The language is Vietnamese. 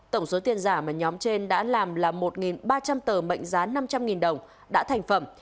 tổng số tiền giả mà nhóm trên đã làm là một ba trăm linh tờ mệnh giá năm trăm linh đồng đã thành phẩm